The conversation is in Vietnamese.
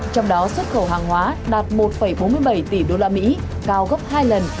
trong đó xuất khẩu hàng hóa đạt một bốn mươi bảy tỷ usd cao gấp hai lần